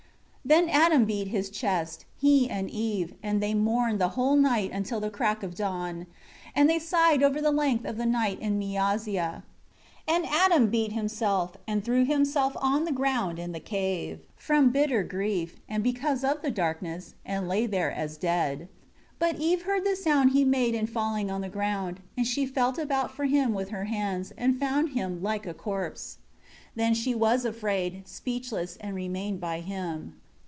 1 Then Adam beat his chest, he and Eve, and they mourned the whole night until the crack of dawn, and they sighed over the length of the night in Miyazia. 2 And Adam beat himself, and threw himself on the ground in the cave, from bitter grief, and because of the darkness, and lay there as dead. 3 But Eve heard the noise he made in falling on the ground. And she felt about for him with her hands, and found him like a corpse. 4 Then she was afraid, speechless, and remained by him.